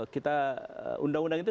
kita undang undang itu